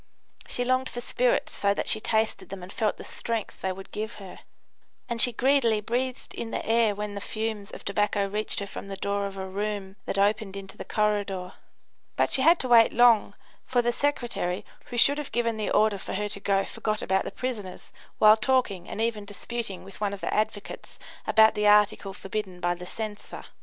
She longed for spirits so that she tasted them and felt the strength they would give her; and she greedily breathed in the air when the fumes of tobacco reached her from the door of a room that opened into the corridor. But she had to wait long, for the secretary, who should have given the order for her to go, forgot about the prisoners while talking and even disputing with one of the advocates about the article forbidden by the censor.